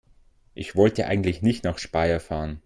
Ich wollte eigentlich nicht nach Speyer fahren